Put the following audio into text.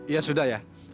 ya sudah ya